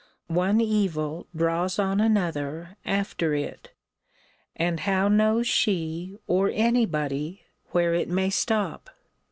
One evil draws on another after it; and how knows she, or any body, where it may stop?